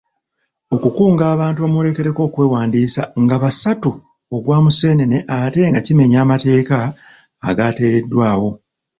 Okukunga abantu bamuwerekereko okwewandiisa nga basatu ogwa musenene ate nga kimenya amateeka agateereddwawo.